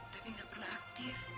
tapi gak pernah aktif